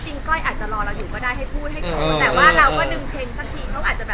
ให้พูดให้เขาแต่ว่าเราก็นึงเช็นสักที